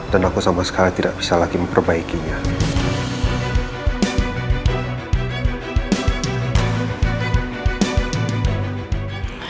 dan aku sama sekali tidak bisa lagi memperbaikinya